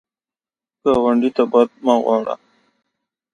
ګاونډي ته بد نه غواړه